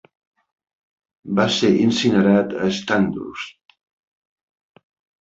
Va ser incinerat a Sandhurst.